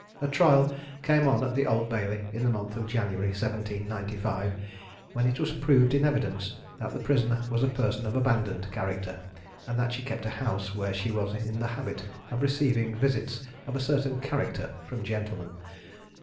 Her trial came on at the Old Bailey in the month of January 1795, when it was proved in evidence that the prisoner was a person of abandoned character, and that she kept a house, where she was in the habit of receiving visits of a certain character from gentlemen.